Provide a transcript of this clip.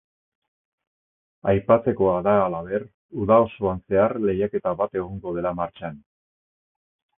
Aipatzekoa da, halaber, uda osoan zehar lehiaketa bat egongo dela martxan.